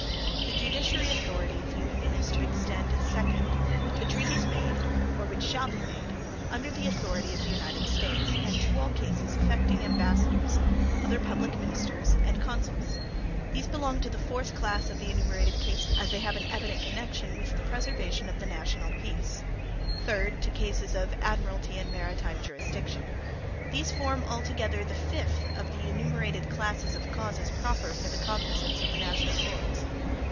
The judiciary authority of the Union is to extend: Second. To treaties made, or which shall be made, under the authority of the United States, and to all cases affecting ambassadors, other public ministers, and consuls. These belong to the fourth class of the enumerated cases, as they have an evident connection with the preservation of the national peace. Third. To cases of admiralty and maritime jurisdiction. These form, altogether, the fifth of the enumerated classes of causes proper for the cognizance of the national courts.